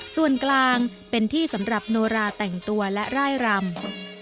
ส่วนกลางเป็นที่สำหรับโนราแต่งตัวและร่ายรำ